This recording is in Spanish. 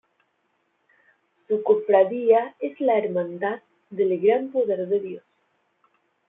Su cofradía es la Hermandad del Gran Poder de Dios.